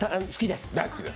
大好きです。